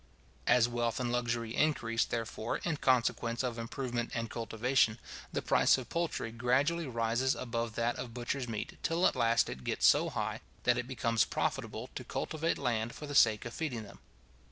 As wealth and luxury increase, therefore, in consequence of improvement and cultivation, the price of poultry gradually rises above that of butcher's meat, till at last it gets so high, that it becomes profitable to cultivate land for the sake of feeding them.